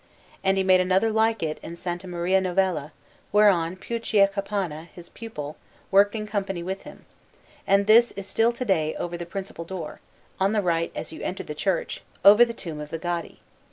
And he made another like it in S. Maria Novella, whereon Puccio Capanna, his pupil, worked in company with him; and this is still to day over the principal door, on the right as you enter the church, over the tomb of the Gaddi.